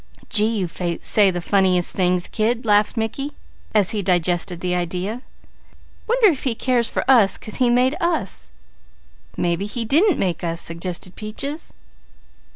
"Gee! You say the funniest things, kid," laughed Mickey as he digested the idea. "Wonder if He cares for us 'cause He made us." "Mebby he didn't make us," suggested Peaches.